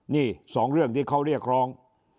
นี่สองเรื่องที่เขาเรียกร้อง